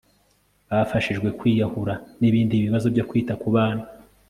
bafashijwe kwiyahura, n'ibindi bibazo byo kwita ku bana